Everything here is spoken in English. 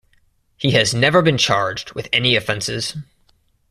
He has never been charged with any offences.